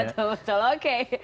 oh ya betul betul oke